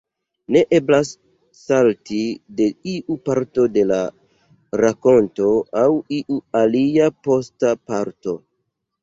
Ne eblas salti de iu parto de la rakonto al iu alia posta parto.